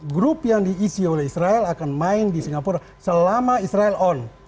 grup yang diisi oleh israel akan main di singapura selama israel on